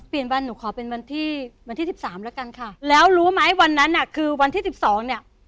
เปลี่ยนวันหนูขอเป็นวันที่๑๓แล้วกันค่ะแล้วรู้ไหมวันนั้นคือวันที่๑๒เนี่ย